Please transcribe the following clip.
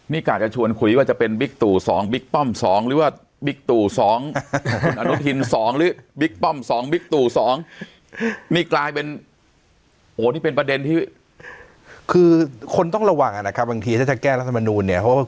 นี่การจะชวนคุยว่าจะเป็นบิ๊กป้อม๒หรือว่าบิ๊กตู่๒